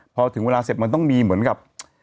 พอถึงเวลาเสร็จมันต้องมีเหมือนกับ